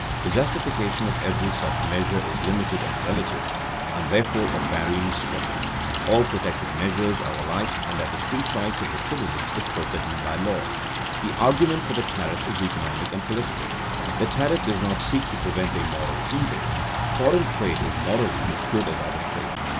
The justification of every such measure is limited and relative, and therefore of varying strength. All protective measures are alike in that the free choice of the citizen is forbidden by law. The argument for the tariff is economic and political. The tariff does not seek to prevent a moral evil; foreign trade is morally as good as other trade.